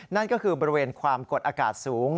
นั่นก็คือบริเวณความกดอากาศสูง